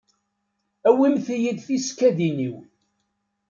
Awimt-yi-d tisekkadin-iw.